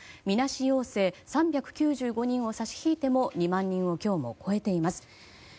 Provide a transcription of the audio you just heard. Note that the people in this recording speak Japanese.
みなし陽性３９５人を差し引いても２万人を今日も超えています。